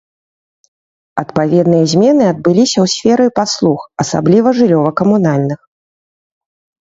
Адпаведныя змены адбыліся ў сферы паслуг, асабліва жыллёва-камунальных.